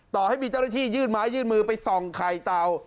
ต่อให้มีเจ้าหน้าที่ยื่นไม้ยื่นมือไปส่องไข่เต่า